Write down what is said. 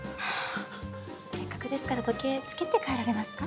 せっかくですから時計つけて帰られますか？